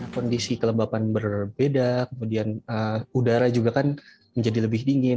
kondisi kelembapan berbeda kemudian udara juga kan menjadi lebih dingin